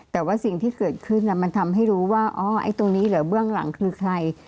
แต่ว่าสิ่งที่เกิดขึ้นมันทำให้รู้ว่าอ๋อไอ้ตรงนี้เหรอเบื้องหลังคือใคร